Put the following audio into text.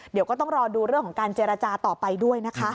เดี๋ยวก็ต้องรอดูเรื่องของการเจรจาต่อไปด้วยนะคะ